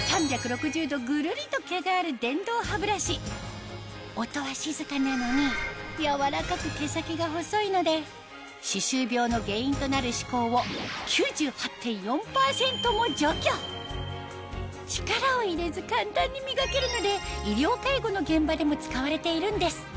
３６０度ぐるりと毛がある電動歯ブラシ音は静かなのに柔らかく毛先が細いので歯周病の原因となる歯垢を９８．４％も除去力を入れず簡単に磨けるので医療介護の現場でも使われているんです